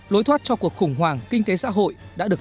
lối thoát cho cuộc khủng hoảng kinh tế xã hội